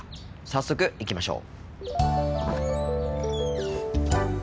早速行きましょう。